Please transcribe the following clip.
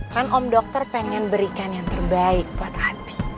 kan om dokter pengen berikan yang terbaik buat hati